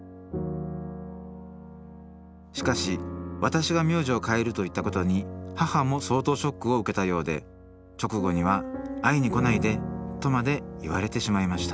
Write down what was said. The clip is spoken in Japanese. しかし私が名字を変えると言ったことに母も相当ショックを受けたようで直後には「会いに来ないで」とまで言われてしまいました